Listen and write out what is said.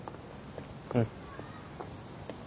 うん。